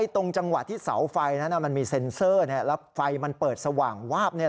ตรงจังหวะที่เสาไฟนั้นมันมีเซ็นเซอร์แล้วไฟมันเปิดสว่างวาบ